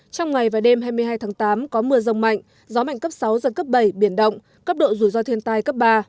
trong ngày và đêm hai mươi hai tháng tám có mưa rông mạnh gió mạnh cấp sáu giật cấp bảy biển động cấp độ rủi ro thiên tai cấp ba